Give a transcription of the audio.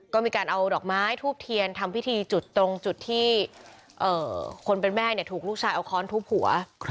ก็มีการเอาดอกไม้ทูบเทียนทำพิธีจุดตรงจุดที่คนเป็นแม่ถูกลูกชายเอาค้อนทุบหัว